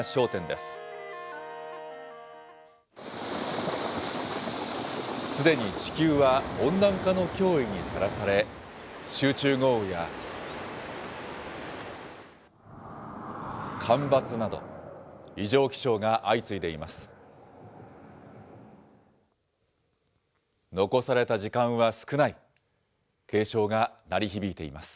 すでに地球は温暖化の脅威にさらされ、集中豪雨や、干ばつなど、異常気象が相次いでいます。